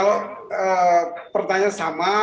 ya kalau pertanyaan sama